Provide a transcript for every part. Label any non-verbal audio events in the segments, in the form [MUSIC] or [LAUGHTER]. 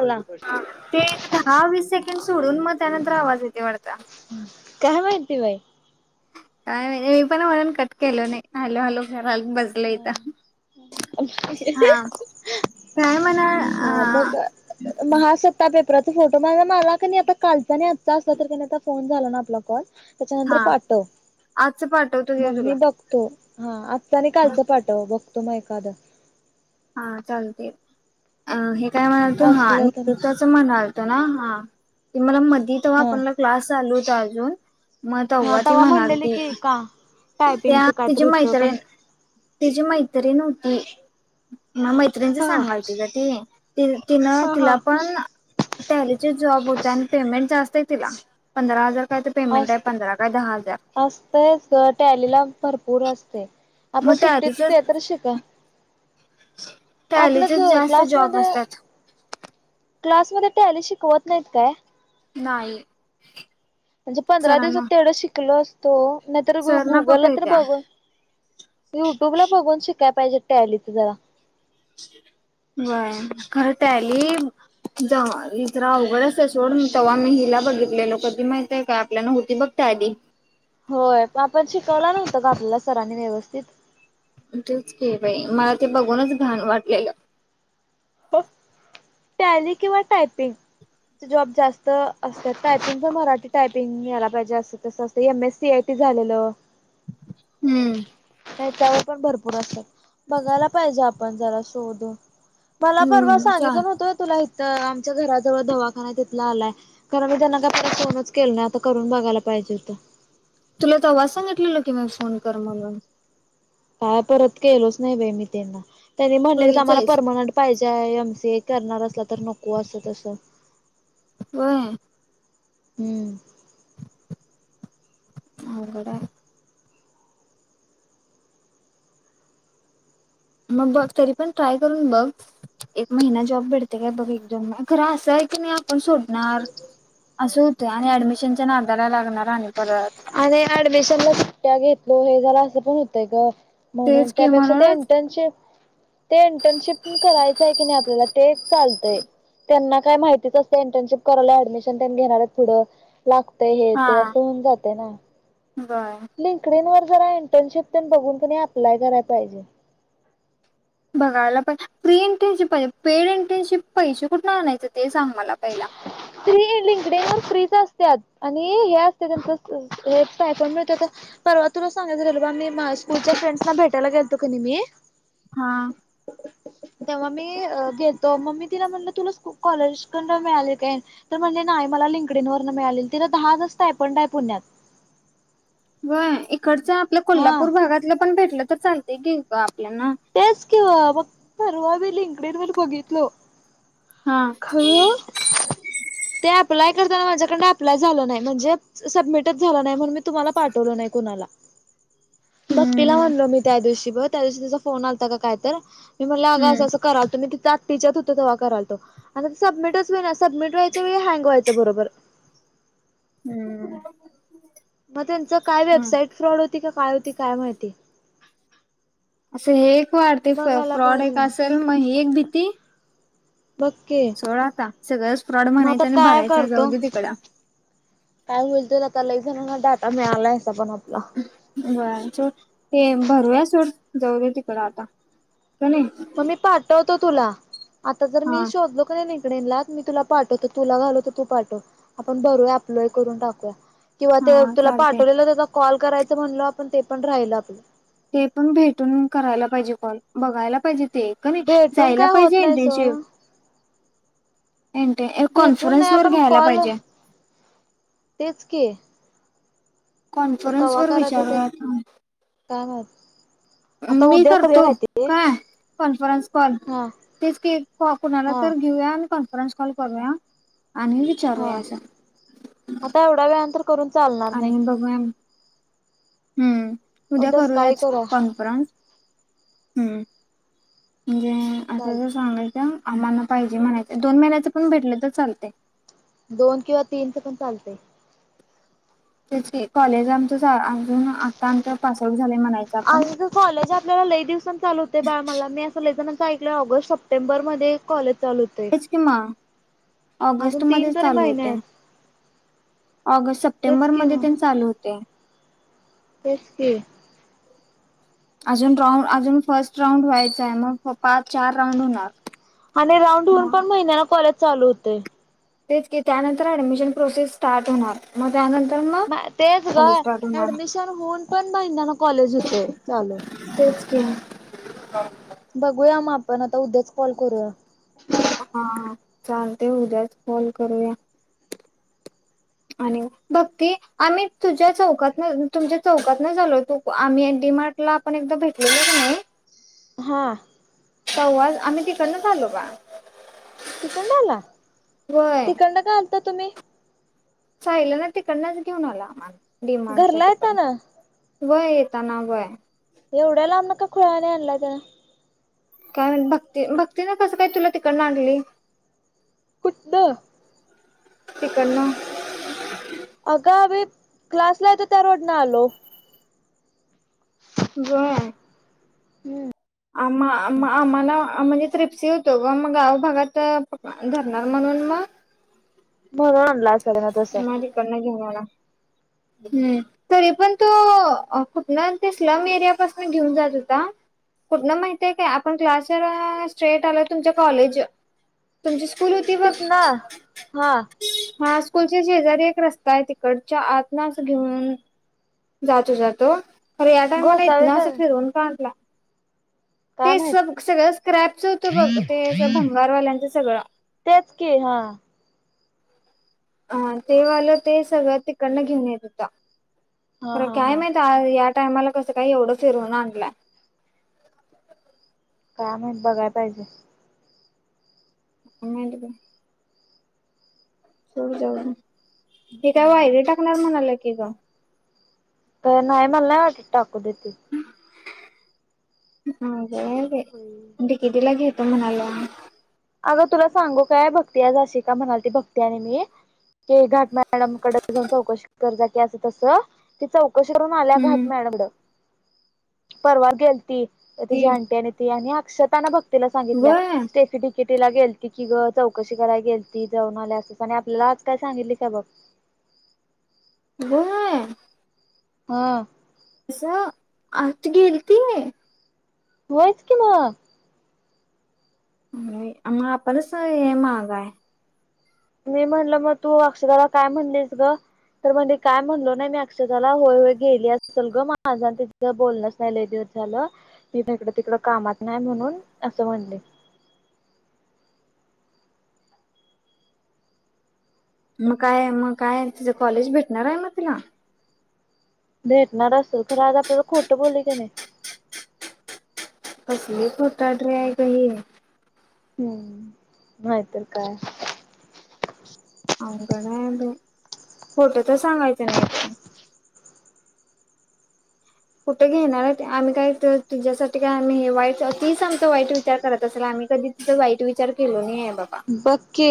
मला हा ते एक दहा वीस सेकंदसोडून मग त्यानंतर आवाज येतय वाढत. काय माहिती बाई काय माहित मी पण म्हणून कट केलो नाही हॅलो हॅलो कराल बसलो ह इथं. हा काय म्हणा अ हा मग महासत्ता पे तर आता फोटो मला क नाही आता कालचा नाही आजचा असला तर क आता फोन झाला ना आपला कॉल त्याच्यानंतर हा पाठव आजचं पाठवतो घे मग तुला. मी बघतो. हा आ आणि कालचं पाठव बघ [UNINTELLIGIBLE] एखाद हा चालते अ हे काय म्हणाल त हा असलं तर नुकत च म्हणाल ना हा ते मला म्हण ती तवा हा आपणला क्लास चालू [INAUDIBLE] म हा तव्वाची तव्हा म्हणलेले म्हणालती की का त्या टायपिंगचं काय तर तिची होतं मैत्रीण पण तिची मैत्रीण होती. म मैत्रिणीचं हा सांगाल तिज ती ती तिनं हा तिला हा पण टॅली चा जॉब त्यानं पेमेंट जास्त हाय तिला पंधरा हजार काय तर पेमेंट अस आहे पंधरा काय दहा हजार असतयच ग टॅलीला भर पूर असतंय. मग आपण सुट्टीत टॅलीचे कायतरी शिका. आपलं जो टॅलीचेच जास्त जॉब क्लासमध्ये असतात क्लासमध्ये टॅली शिकवत नाहीत काय? नाही. म्हणजे पंधरा दिवसात सरांना तेवढं शिकलो अस तो. नाहीतर सरना गुगलला कुठे तर येत्या बघून युट्यूबला बघून शिक काय पाहिजे टॅलीच जरा व्हय खरं टॅली जव्ह हे तर अवघडचये सोड तेव्हा मी हिला बघितलेलो कधी माहितय काय आपल्याला होती बघ टॅली होय तो आपण शिकवला नव्हत का? आपल्याला सरांनी व्यवस्थित तेच के बाई मला ते बघूनच घाण वाटलेल. टॅली किंवा टायपिंग जॉब जास्त असतात. टायपिंग तर मराठी टायपिंग यायला पाहिजे. अस तस असत M S C I T झालेल. हूं त्यांच्यावर पण भरपूर असतात बघायला पाहिजे आपण जरा शोधून. मला परवा हम्म सांगितल चा न्हवत व्हय तुला त आमच्या घराजवळ दवाखाना आहे तिथला आलाय कारण मी त्यांना काय फोनच केल नाय आता करून बघायला पाहिजे होत. तुला तवाच सांगतलेल की मी फोन कर म्हणून काय परत केलोच नाही बाय मी त्यांना त्यांनी तू म्हटलेल की आम्हाला विचारीस परर्मनंट पाहि काय एमसीए करणार असला तर नको अस तस व्हय हूं अवघड हाय. मग बघ तरी पण ट्राय करून बघ एक महिना जॉब भेडते काय बघ एक दोन खर अस आहे की नाही आपण सोडणार अस होतय आणि ऍडमिशनच्या नादाला लागणार आणि परत आणि ऍडमिशन ला सुट्ट्या घेत हो हे जरा अस पण होतय ग म्हणून तेच की त्यापेक्षा ते म्हणूनच इंटर्नशिप ते इंटर्नशिप करायचय की नाही आपल्याला ते एक चालतय त्यांना काय माहितीच असत इंटर्नशिप करायला ऍडमिशन त्यांनी घेणार आहेत. पुढ लागतय हे हा ते अस होऊन जात [INAUDIBLE] बर [UNINTELLIGIBLE] [UNINTELLIGIBLE] इंटर्नशिप तेन बघून कणाय अप्लाय कराय पाहिजे. बघायला पाहिजे. फ्री इंटर्नशिप पाहिजे पेड इंटर्नशिप पैसे कुठन आणायच ते सांग मला पहिला. फ्री लिंकडे फ्री च असतात आणि हे असते त्यांच पॅटर्न मिळत, परवा तुला सांगायच राहिल मी स्कूलच्या फ्रेंडसना भेटायला गेलतो कनाय मी हा. तेव्हा मी गेलतो मग मी तिला म्हणल तुला कॉलेज कड मिळालेत. तर म्हणल नाय मला लिंकडीं वरण मिळाले तिला दहा हजार [UNINTELLIGIBLE] पुण्यात व्हय, खर्च आपल्या हा कोल्हापूर भागातल पण भेटलत तर चालतय घेऊ का आपल्याना तेच की हो परवा मी लिंकडीन वर बघितलो. हा खर ते अप्लाय, माझ्याकडन अप्लाय झाल नाय म्हणजे सबमिटच झाल नाय म्हणुन मी तुम्हाला पाठवल नाय कुणाला. भक्तीला हम्म म्हणलो मी त्या दिवशी बघ त्यादिवशी तिझा फोन आलता का काय तर, मला अग अस हम्म अस करालतो की तित तिच्यात होत तवा करालतो आणि सबमिटच होईना सबमिट व्हायच्या वेळी हँग व्हायच बरोबर. हम्म मग त्यांच काय हा. वेबसाईट फ्रॉड होत. होती काय होती काय माहिती. असं हे खूप वाटते फ बघायला फ्रॉड पाहिजे एक असेल मग ही एक भीती, ती बघकी सोड आता सगळं फ्रॉड मग आता म्हणायचा आणि काय भरायचा जाऊ करतो दे तिकड. काय होईल तर आता लय जणांना डाटा मिळालाय असा पण आता. [UNINTELLIGIBLE] ते भरुया सोड जाऊ दे तिकडं आती. मग मी पाटतो. तो तुला आता जर हा मी शोधलो तर की मी तुला पाठवतो तुला घालवतो तर तू पाठव आपण बरूया आप्लय करून टाकिया. किंवा त्यो हा तुला चालते पाठवलेलं तुझा कॉल करायचं म्हणलो आपण ते पण राहिल आपलं. ते पण भेटून करायला पाहिजे कॉल बघायला पाहिजेत. ते कनई भेटून जायला काय होत पाहिजे नाही इंटरशिप. सोड एनटे ए भेटून नाही कॉन्फरन्स वर आपण घ्यायला कॉल पाहिजे. तेच की आता कॉन्फरन्स कवा वर करायचं विचारु ते या थांब. काय माहित. आता मी उद्या करूया करतो काय ते काय कॉन्फरन्स कॉल हा तेच की कॉ कुणाला हा तर घेऊया आणि कॉन्फरन्स कॉल करूया. आणि हा विचारूया असं आता एवढ्या वेळान तर करून चालणार नाही. आणि बघूया हम्म उद्या सकाळी करूयाच करूया कॉन्फरन्स हम्म म्हणजे चाल असं जर सांगायच आम्हाला पाहिजे म्हणायच दोन महिन्याच पण भेटल तर चालतय. दोन किंवा तीनच पण चालतय. तेच की कॉलेजला आमच चा आ आपण आणि गं कॉलेज आपल्याला लई दिवसान चालू होतय बाळ मला मी अस लई जणांचं ऐकल्या ऑगस्ट, सप्टेंबर मध्ये कॉलेज चालू होते हेचकी मा ऑगस्ट अजून तीन मध्येच तरी चालू महिने होतय. आहेत ऑगस्ट, तेच सप्टेंबर कि मध्ये तेन चालू होतेय. तेच की अजून राऊंड अजून फर्स्ट राऊंड व्हायचाय मग प पाच, चार राऊंड होणार. आणि राऊंड होवून मग पण महिन्याला कॉलेज चालू हुतय. तेच की त्यानंतर ऍडमिशन प्रोसेस स्टार्ट होणार म म तेच ग होणार ऍडमिशन होऊन पण महिन्यान कॉलेज होतय चालू. तेच [UNINTELLIGIBLE] बघूया मग आपण आता उद्याच कॉल करूया. हा हा चालतय उद्याच कॉल करूया आणि भक्ती आम्ही तुझ्या चौकातन तुमच्या चौकातनच आलोय. तु को आम्ही डी मार्टला आपण एकदा भेटलेलो क नई. हा तवाच आम्ही तिकडनच आलो बा तिकंडन आला व्हय तिकंडन का आलता तुमी? साहिलंनना तिकडनच घेऊन आला आम्हाला. डी मार्टच्या घरला येता तिकडनं ना? व्हय येताना व्हय एवढ्या लांबन का खुळ्यावणी आणलाय त्यानं काय म्हण भक्ती भक्तीन कसं काय तुला तिकडन आणली कुटण तेिकडन अग आम्ही क्लासला येतोय त्या रोडन आलो व्हय हम्म आम्हा आम्हा आम्हाला आ म्हणजे त्रिप्सी होतो ग मग गाव भागात धरणार म्हणून मग सगळं आणलास म तिकडंन घेवून आला हम्म तरी पण तो कुठन स्लम एरिया पासून घेऊन जात होता कुठन माहितीय काय आपण क्लास स्ट्रेट आलो तुमच्या कॉलेज तुमची स्कु तिथंन हा स्कूल च्या शेजारी एक रस्ता आहे तिकडच्या आतन आस घेऊन जात होता तो खर या टायमाला इथन घोसावी आस काय फिरवून का आणला ते माहित सब सगळं स्क्रॅपच होतं बघ ते अस भंगारवाल्यांचं सगळं तेच की हा अं ते वालं ते सगळ तिकडन घेऊन येत होता हा खरं हा काय हा माहित आज यात टायमाला कसं काय एवढं फिरवून आणलाय काय माहित बघाय पाहिजे मांडी हो जाऊन हे काय वायरी टाकणार म्हणाल्या की [UNINTELLIGIBLE] ते नाही मला टाकू देेतील नाव होय बई डिकेटीला घे कोण म्हणाल्या अगं तुला सांगू काय भक्ती आशी का म्हणालती भक्ती आनी मी, की घाटमॅडम कडे जाऊन चौकशी करजा की अस तस ती चौ कशा वरून आल्या घाट हम्म मॅडमड परवा गेलती ते तिची आंटी आणि ती आत शतान भक तिला सांगितल्या व्हय स्टेफीडी कितीला गेलती की ग, चौकशी कराय गेलती जाऊन आल्या, अस आणि आपल्याला आज काय सांगितले का बघ होय हा कस आज ती गेलती व्हय होयच कि मग [UNINTELLIGIBLE] [UNINTELLIGIBLE] हे महाग हाय मी म्हणल म तू अक्षराला काय म्हणलीस ग, तर म्हणे काय म्हणलो नाही, मी अक्षराला, होय होय गेली असेल ग माझा तिझ बोलणच नाही लय दिस झालं, मी इकडं तिकड कामात नाही म्हणून असं म्हणले म काय म काय तिझं कॉलेज भेटणार आहे म तिला भेटणार असेल तर आज आपल्याला खोट बोली की नाय. कसली खोटाड्री आहे ग ही हूं, न्हायतर काय अवघड आहे बऐ खोटं तर सांगायचं नाय बय कुठे घेणार हायत. आम्ही काय तुझ्यासाठी काय आम्ही वाईट ती आमचा वाईट विचार करत असेल आम्ही कधी तिचा वाईट विचार केलो नाही. बाबा बघ की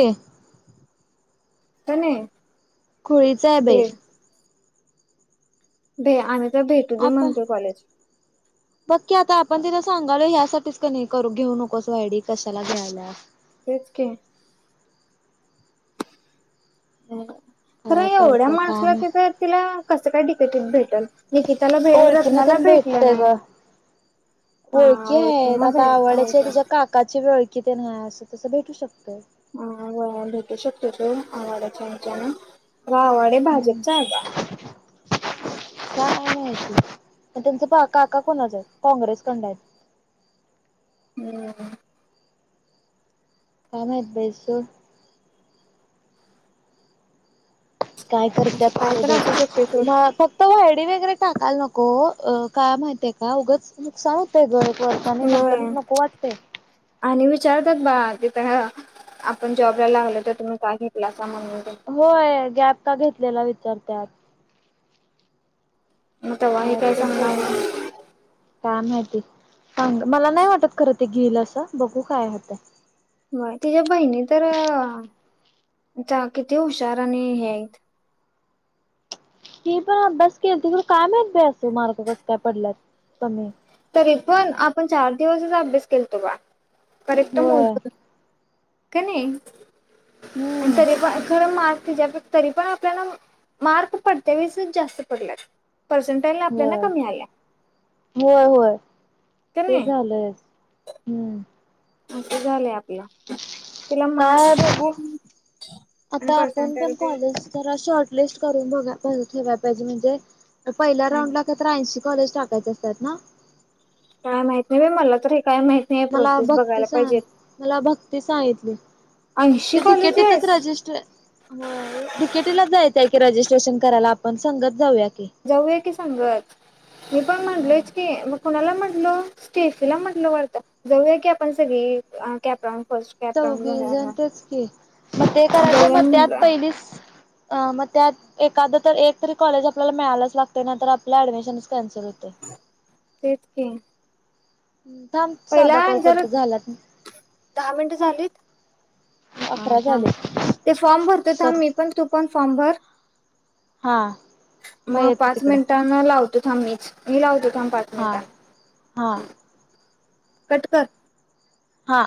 त नी खुळीच आहे बाई [INAUDIBLE] दे आता, म्हणतोय कॉलेज बघ की आता आपण तिझ सांगालोय यासाठीच कनाय करू घेऊ नकोस तु आयडी कशाला घ्यायल्यास तेच की [INAUDIBLE] खरं काय एवढ्या करत्या काय माणसाला तिथ माहित तिला कसं काय डी [UNINTELLIGIBLE] भेटल निकिताला भे ओळखी न रत्नाला तेन भेटलं भेटतय नाही ग, ओळखी हा आहेत, ना भे आता आवड्याच्या ओळखी तिच्या काकाची ओळ की ते नाय असं तसं भेटू शकत ह भेटू शकतो तो आवडाच्या ह्याच्यान वावाडे हम्म भाजपचा आहे का? काय माहिती त्यांचकाका कोणाच आहे काँग्रेस कडन आहेत. [INAUDIBLE] कामात बय सोड काय असं करत्यात काय करू तर असू शकते देत सोड म फक्त व्हाईट ते वगैरे टाकायला नको अ का माहीतीये का उगाच नुकसान होतय ग वर्षांनी नंतर होय नको वाटतय. आणि विचारतात बा तिथं हं आपण जॉबला लागल तर तुम्ही काय घेतलात. होय गॅप का घेतलेला वि च्यारत्यात मग तवाही काय काही तर कर सांगणार [UNINTELLIGIBLE] काय माहिती सांग मला नाही वाटत खरं ते घेईल असं बघू काय होतय. होय तिच्या बहीणी तर त्या कीती हुशार आणि हे आहेत. ती पण अभ्यास केलीती काय माहित बाय मार्क कस काय पडल्यात कमी तेपण आपण चार दिवसच अभ्यासच केलतो बा करेक्ट मोज होय का नाही आणि हम्म तरी पण खरं मार् त्याच्या तरी पण आपल्याला मार्क पडतेवीसच जास्त पडलात पर्सेंटेज आपल्याला होय कमी आल्या होय होय का ते नाही झालंयस हम्म असं झालंय आपलं तिला काय मार्क आहे बघू कमी आणि आता आपण पण पर्सेंटेज कॉलेज तर शॉट लिस्ट करून बघा कॉलेज ठेवाय पाहिजे म्हणजे पहिल्या राऊंडला काय तर ऐशी कॉलेज टाक [UNINTELLIGIBLE] काय माहित नाही मला तरी मला भक्ती सां मला भक्ती सांगितली ऐंशी ते डीकेटीतिचं कॉलेजेस रजिस्टर व्हय डिकेटीला जायच रजिस्ट्रेशन करायला आपण सगत जाऊयात जाऊया की संगच मि पन हा. म्हंटलेच की म कोणाला म्हंटल स्टेफीला म्हंटलो वाटत जाउया की आपण सगळे कॅप राउंड चौवीस जण तेच की मग ते करायचं जाऊया मग ते आत म्हटलं पहिलीच अ मग त्यात एखाद तर एकतरी कॉलेज आपल्याला मिळालाच लागते नंतर आपल्या ऍडमिशन कँन्सल होतय तेच की पहिला ज झालात दहा मिनट झाली हा अकरा थांब झाले ते फॉर्म भरत थांब कर. मी पण तू पण फॉमभर हा मग येतो पाच तिकडं मिनटांना लावत थांब मी मी लावतो थांब पाच हा मिनिट हा कट कर हा